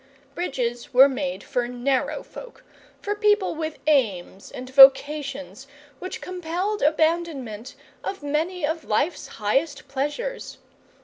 Bridges were made for narrow folk, for people with aims and vocations which compelled abandonment of many of life's highest pleasures.